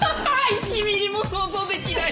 １ｍｍも想像できない。